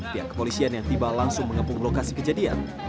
pihak kepolisian yang tiba langsung mengepung lokasi kejadian